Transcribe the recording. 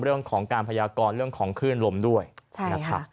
เรื่องของการพยากรเรื่องของคลื่นลมด้วยนะครับ